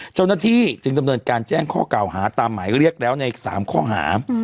เจ้าหน้าที่จึงดำเนินการแจ้งข้อกล่าวหาตามหมายเรียกแล้วใน๓ข้อหา